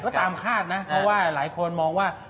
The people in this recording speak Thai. ก็ตามคาดนะเพราะว่าหลายคนมองว่า